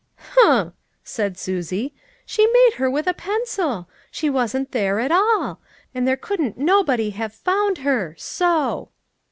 " Humph !" said Susie, " she made her with a pencil; she wasn't there at all; and there couldn't nobody have found her. So